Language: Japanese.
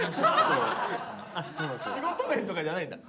仕事面とかじゃないんだ。